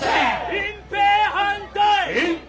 隠蔽反対！